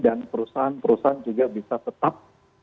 dan perusahaan perusahaan juga bisa tetap